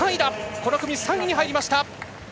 この組３位に入りました。